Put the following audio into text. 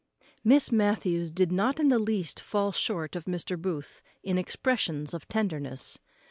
Miss Matthews did not in the least fall short of Mr. Booth in expressions of tenderness.